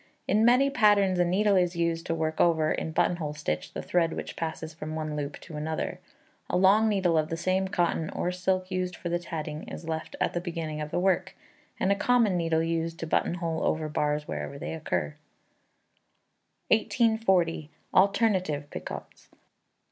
In many patterns a needle is used to work over, in buttonhole stitch, the thread which passes from one loop to another. A long needleful of the same cotton or silk used for the tatting is left at the beginning of the work, and a common needle used to buttonhole over bars wherever they occur. 1840. Alternative Picots.